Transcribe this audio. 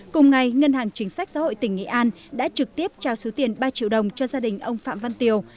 cùng ngày ngân hàng chính sách xã hội tỉnh nghệ an đã trực tiếp trao số tiền ba triệu đồng cho gia đình ông phạm văn tiều